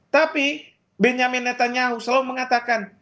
tapi benyamin netanyahu selalu mengatakan